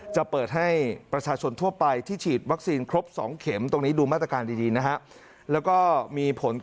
จะเปิดให้ประชาชนทั่วไปที่ฉีดวัคซีนครบ๒เข็ม